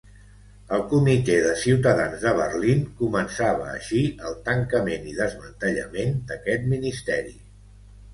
El Comitè de Ciutadans de Berlín començava així el tancament i desmantellament d'aquest Ministeri.